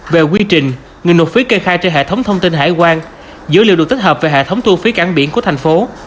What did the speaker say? về quy trình người nộp phí kê khai trên hệ thống thông tin hải quan dữ liệu được tích hợp về hệ thống thu phí cảng biển của thành phố